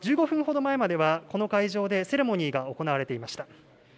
１５分ほど前まではこの会場でセレモニーが行われていました。